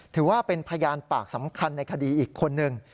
ถือว่าเป็นพยานปากสำคัญในคดีอีกคนนึง